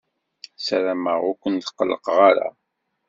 Ssarameɣ ur ken-qellqeɣ ara.